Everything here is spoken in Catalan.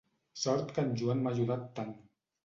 Sort que en Joan m'ha ajudat tant.